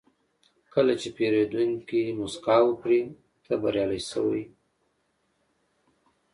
کله چې پیرودونکی موسکا وکړي، ته بریالی شوې.